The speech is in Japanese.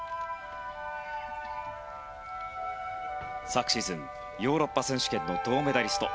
昨シーズン、ヨーロッパ選手権の銅メダリスト。